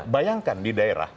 bayangkan di daerah